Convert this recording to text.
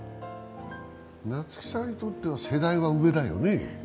菜津紀さんにとっては世代は上だよね。